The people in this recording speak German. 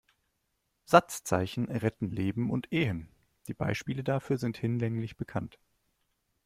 Satzzeichen retten Leben und Ehen, die Beispiele dafür sind hinlänglich bekannt.